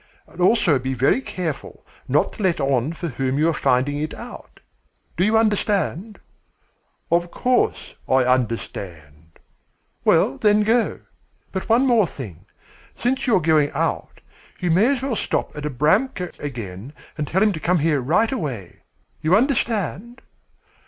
And also be very careful not to let on for whom you are finding it out. Do you understand?' "Of course, I understand." "Well, then, go. But one more thing. Since you're going out, you may as well stop at Abramka's again and tell him to come here right away. You understand?"